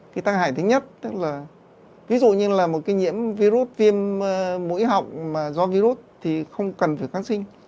cái tác hại thứ nhất ví dụ như là một nhiễm virus viêm mũi họng do virus thì không cần phải kháng sinh